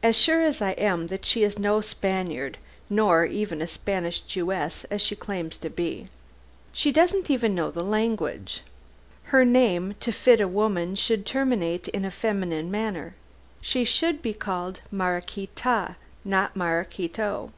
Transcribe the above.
"As sure as I am that she is no Spaniard, nor even a Spanish Jewess, as she claims to be. She doesn't even know the language. Her name, to fit a woman, should terminate in a feminine manner. She should be called Maraquita, not Maraquito.